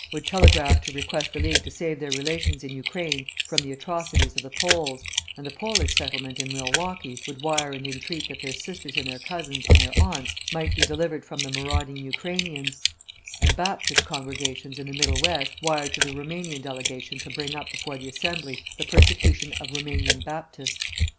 would telegraph to request the League to save their relations in Ukraine from the atrocities of the Poles, and the Polish settlement in Milwaukee would wire and entreat that their sisters and their cousins and their aunts might be delivered from the marauding Ukrainians, and Baptist congregations in the Middle West wired to the Roumanian delegation to bring up before the Assembly the persecution of Roumanian Baptists.